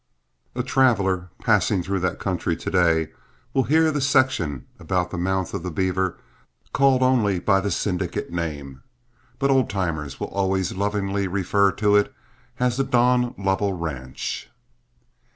A traveler passing through that country to day will hear the section about the mouth of the Beaver called only by the syndicate name, but old timers will always lovingly refer to it as the Don Lovell Ranch.